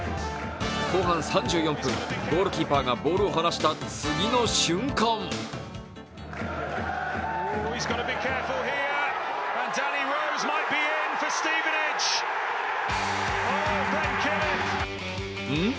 後半３４分、ゴールキーパーがボールを離した次の瞬間ん？